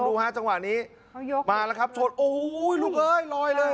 ดูครับจังหวะนี้มาละครับโอ้โหลูกเอ๋ยลอยเลย